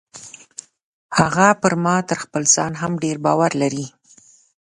هغه پر ما تر خپل ځان هم ډیر باور لري.